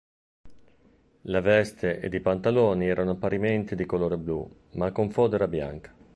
La veste ed i pantaloni erano parimenti di colore blu, ma con fodera bianca.